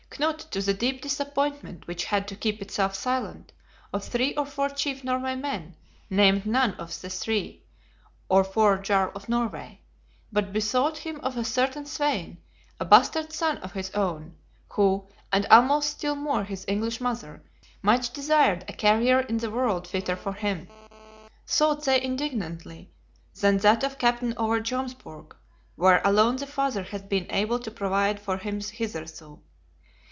Knut, to the deep disappointment, which had to keep itself silent, of three or four chief Norway men, named none of these three or four Jarl of Norway; but bethought him of a certain Svein, a bastard son of his own, who, and almost still more his English mother, much desired a career in the world fitter for him, thought they indignantly, than that of captain over Jomsburg, where alone the father had been able to provide for him hitherto.